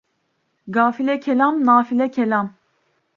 Gafile kelam, nafile kelam.